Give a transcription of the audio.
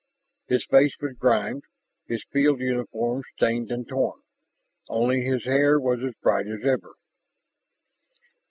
His face was grimed, his field uniform stained and torn. Only his hair was as bright as ever.